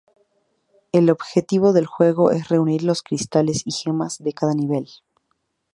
El objetivo del juego es reunir los cristales y gemas de cada nivel.